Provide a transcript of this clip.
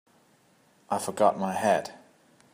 I forgot my hat.